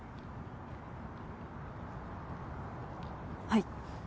はい。